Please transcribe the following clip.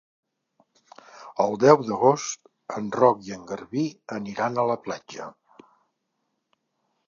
El deu d'agost en Roc i en Garbí aniran a la platja.